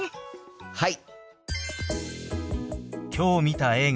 はい！